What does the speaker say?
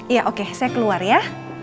iya oke saya keluar ya